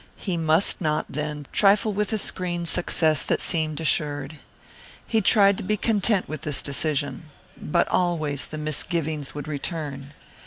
He must not, then, trifle with a screen success that seemed assured. He tried to be content with this decision. But always the misgivings would return.